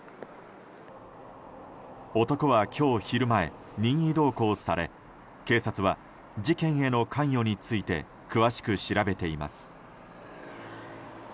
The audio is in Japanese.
男は今日昼前、任意同行され警察は事件への関与について詳しく調べています。